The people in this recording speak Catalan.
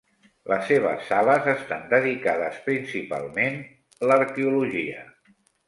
Les seves sales estan dedicades principalment l'arqueologia.